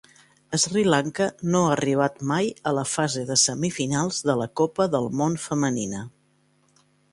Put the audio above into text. Sri Lanka no ha arribat mai a la fase de semifinals de la Copa del Món femenina.